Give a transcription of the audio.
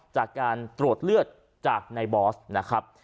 จากการตรวจเลือดจากในบอสนะครับ